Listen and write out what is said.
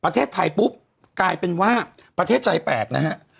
ประเทศไทยปุ๊บกลายเป็นว่าประเทศใจแปลกนะฮะ